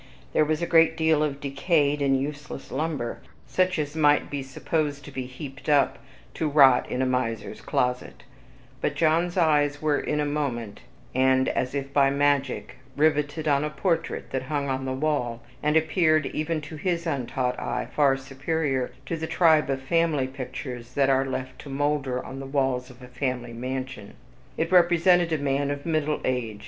There was a great deal of decayed and useless lumber, such as might be supposed to be heaped up to rot in a miser's closet; but John's eyes were in a moment, and as if by magic, riveted on a portrait that hung on the wall, and appeared, even to his untaught eye, far superior to the tribe of family pictures that are left to molder on the walls of a family mansion. It represented a man of middle age.